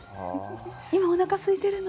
今おなかすいているの？